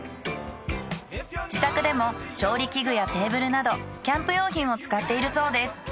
自宅でも調理器具やテーブルなどキャンプ用品を使っているそうです。